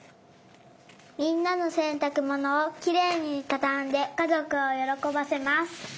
みんなのせんたくものをきれいにたたんでかぞくをよろこばせます。